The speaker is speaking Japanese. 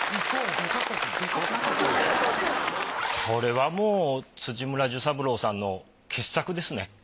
これはもう辻村寿三郎さんの傑作ですね。